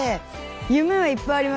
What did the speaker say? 夢はいっぱいあります。